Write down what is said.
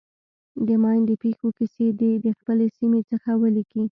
د ماین د پېښو کیسې دې د خپلې سیمې څخه ولیکي.